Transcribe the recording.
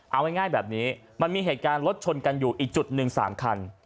เอาง่ายแบบนี้มันมีเหตุการณ์รถชนกันอยู่อีกจุดหนึ่ง๓คัน